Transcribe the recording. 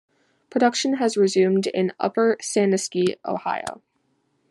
Production has resumed in Upper Sandusky, Ohio.